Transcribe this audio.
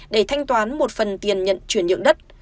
để thanh toán một phần tiền nhận chuyển nhượng đất